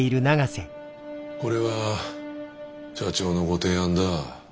これは社長のご提案だ。